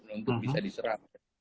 untuk bisa diserapkan